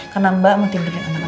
karena mbak mau tidurin anak anak dulu